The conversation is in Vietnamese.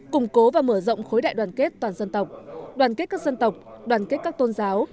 củng cố và mở rộng khối đại đoàn kết toàn dân tộc đoàn kết các dân tộc đoàn kết các tôn giáo